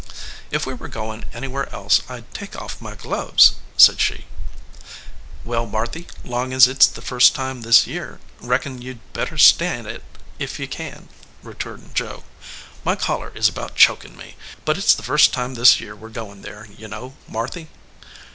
"If we were goin anywhere else I d take off my gloves," said she. "Well, Marthy, long as it s the first time this year, reckon you d better stand it, if you can," re turned Joe. "My collar is about chokin me, but it s the first time this year we re goin there, you know, Marthy."